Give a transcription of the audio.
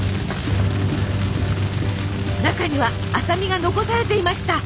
中には麻美が残されていました。